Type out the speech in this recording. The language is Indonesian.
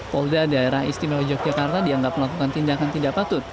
polda daerah istimewa yogyakarta dianggap melakukan tindakan tidak patut